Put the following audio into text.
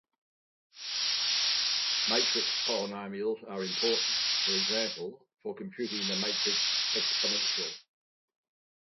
Matrix polynomials are important for example for computing the Matrix Exponential.